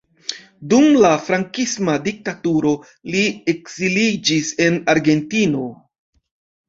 Dum la frankisma diktaturo li ekziliĝis en Argentino.